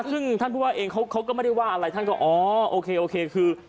ซึ่งท่านก็ไม่ได้ว่าอะไรอ๋อโอเคคือ